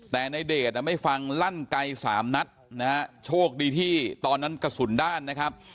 แต่ในเดชไม่ฟังลั่นไกลสามนัดนะฮะโชคดีที่ตอนนั้นกระสุนด้านนะครับ